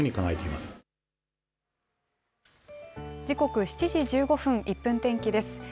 時刻７時１５分、１分天気です。